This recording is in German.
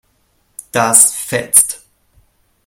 Das fetzt.